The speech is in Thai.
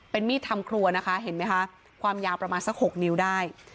มีดทำครัวนะคะเห็นไหมคะความยาวประมาณสัก๖นิ้วได้